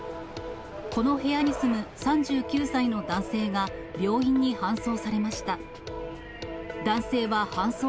この部屋に住む３９歳の男性が病院に搬送されました。